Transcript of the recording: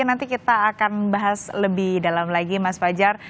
nanti kita akan bahas lebih dalam lagi mas fajar